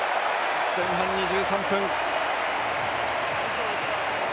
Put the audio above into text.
前半２３分。